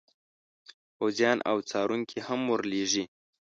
پوځیان او څارونکي هم ور لیږي.